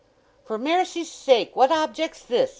"For maircy's sake, what object's this?"